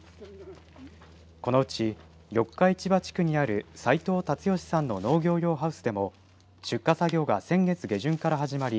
このうち四日市場地区にある齋藤達義さんの農業用ハウスでも出荷作業が先月下旬から始まり